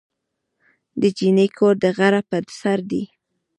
د جینۍ کور د غره په سر دی.